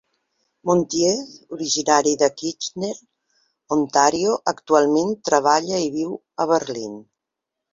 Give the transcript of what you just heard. Montieth, originari de Kitchener, Ontario, actualment treballa i viu a Berlín.